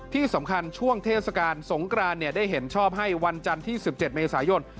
ที่สำคัญช่วงเทศกาลสงกรานได้เห็นชอบให้วันจันทร์ที่๑๗เมษายน